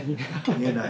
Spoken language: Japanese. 言えない。